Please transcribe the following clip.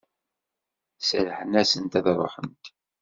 Serrḥen-asent ad ruḥent?